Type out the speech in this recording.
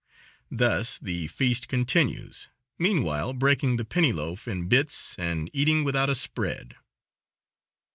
Thus the feast continues, meanwhile breaking the penny loaf in bits and eating without a spread.